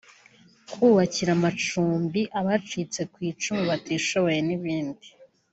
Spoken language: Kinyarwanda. kubakira amacumbi abacitse ku icumu batishoboye n’ibindi